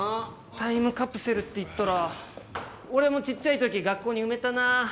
タイムカプセルって言ったら俺もちっちゃい時学校に埋めたなぁ。